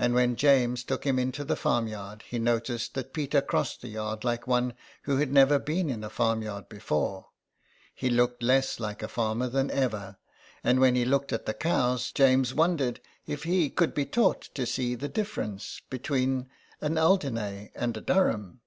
And when James took him into the farmyard, he noticed that Peter crossed the yard like one who had never been in a farmyard before ; he looked less like a farmer than ever, and when he looked at the cows, James wondered if he could be taught to see the difference between an Alderney and a Durham.